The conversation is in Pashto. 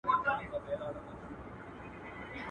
غوښي د هر چا خوښي دي، پيشي ايمان پر راوړی دئ.